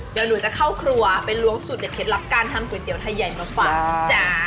เดี๋ยวหนูจะเข้าครัวไปล้วงสูตรเด็ดเคล็ดลับการทำก๋วยเตี๋ยวไทยใหญ่มาฝากนะจ๊ะ